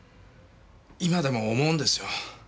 今でも思うんですよ。